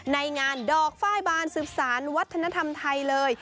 ในงานดอกไฟล์บานสืบสารวัฒนธรรมไทยเลย